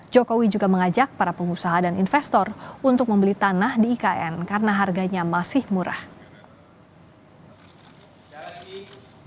jokowi juga mengajak para pengusaha dan investor untuk membeli tanah di ikn karena harganya masih murah